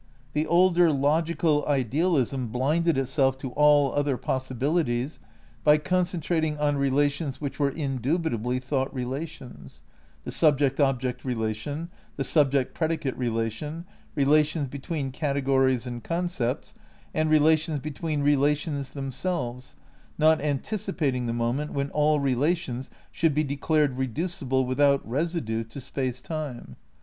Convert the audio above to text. The older, logical idealism blinded itself to all other possibilities by concentrating on relations which were indubitably thought relations : the subject object relation, the sub ject predicate relation, relations between categories and concepts, and relations between relations them selves, not anticipating the moment when all relations should be declared reducible without residue to Space Time.